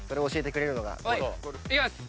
いきます。